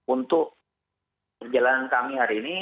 untuk perjalanan kami hari ini